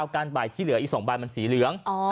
การใบที่เหลืออีก๒ใบมันสีเหลือง